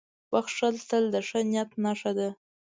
• بښل تل د ښه نیت نښه ده.